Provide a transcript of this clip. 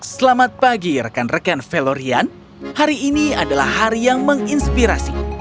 selamat pagi rekan rekan velorian hari ini adalah hari yang menginspirasi